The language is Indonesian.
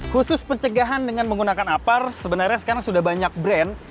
khusus pencegahan dengan menggunakan apar sebenarnya sekarang sudah banyak brand